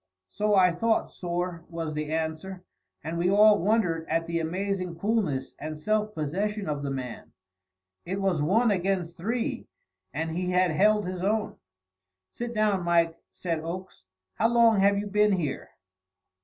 "So I thought, sorr," was the answer. And we all wondered at the amazing coolness and self possession of the man. It was one against three, and he had held his own. "Sit down, Mike," said Oakes. "How long have you been here?"